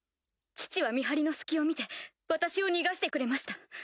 父は見張りの隙を見て私を逃がしてくれました。